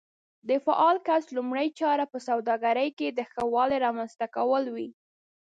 د فعال کس لومړۍ چاره په سوداګرۍ کې د ښه والي رامنځته کول وي.